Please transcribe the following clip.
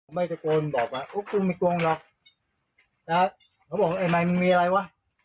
มึงมีอะไรวะ